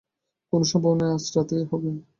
কোন সম্ভাবনা নাই আজ রাতেই হবে।